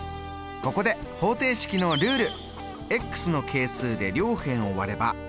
ここで方程式のルール！